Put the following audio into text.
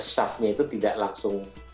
syafnya itu tidak langsung